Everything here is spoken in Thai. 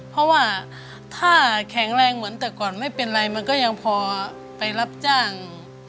เพราะว่าถ้าแข็งแรงเหมือนแต่ก่อนไม่เป็นไรมันก็ยังพอไปรับจ้าง